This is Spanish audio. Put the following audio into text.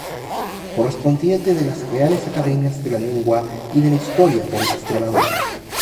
Correspondiente de las Reales Academias de la Lengua y de la Historia por Extremadura.